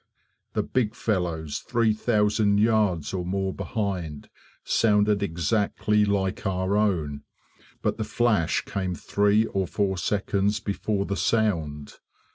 The big fellows, 3000 yards or more behind, sounded exactly like our own, but the flash came three or four seconds before the sound.